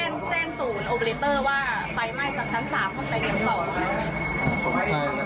ใช่แล้วก็แจ้งศูนย์โอปอลิเตอร์ว่าไปไหม้จากชั้น๓ค่ะ